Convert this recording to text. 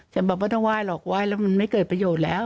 จะบอกว่าต้องไห้หรอกไหว้แล้วมันไม่เกิดประโยชน์แล้ว